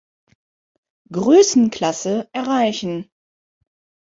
Größenklasse erreichen.